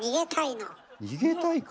逃げたいの。